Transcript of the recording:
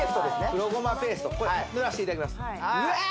黒ごまペーストこれ塗らしていただきますうわ